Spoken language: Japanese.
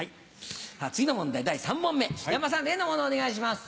次の問題、第３問目、山田さん、例のものお願いします。